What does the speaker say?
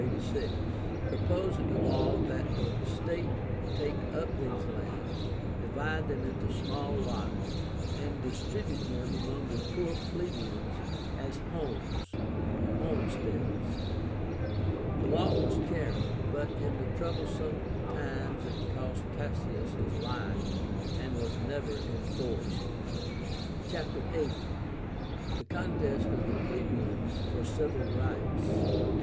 proposing a law that the state take up these lands, divide them into small lots, and distribute them among the poor plebeians as homes (homesteads). The law was carried, but in the troublesome times it cost Cassius his life, and was never enforced. CHAPTER VIII. THE CONTEST OF THE PLEBEIANS FOR CIVIL RIGHTS.